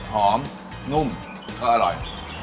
หอมนุ่มก็อร่อย